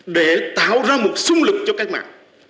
để tạo ra một xung lực cho cách mạng